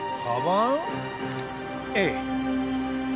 ええ。